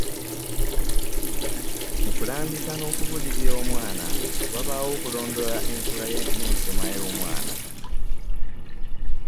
Mu kulambika n'okulabirira omwana, wabaawo okulondoola enkula n'ensoma y'omwana.